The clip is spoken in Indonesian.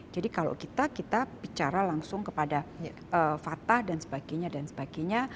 jadi kalau kita kita bicara langsung kepada fatah dan sebagainya dan sebagainya